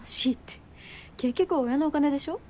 結局親のお金でしょ？